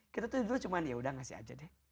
kita dulu cuma yaudah ngasih aja deh